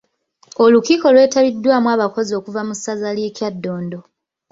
Olukiiko lwetabiddwamu abakozi okuva mu ssaza ly’e Kyaddondo.